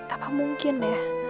apa mungkin ya